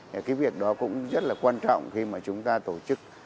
thì cái việc đó cũng rất là quan trọng khi mà chúng ta tổ chức